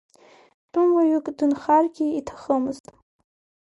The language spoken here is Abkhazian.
Тәымуаҩык дынхаргьы иҭахымызт.